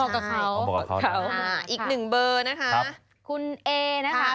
บอกกับเขาค่ะอีกหนึ่งเบอร์นะคะคุณเอนะคะ